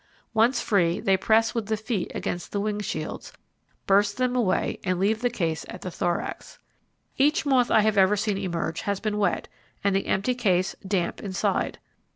Once free, they press with the feet against the wing shields, burst them away and leave the case at the thorax. Each moth I ever have seen emerge has been wet and the empty case damp inside.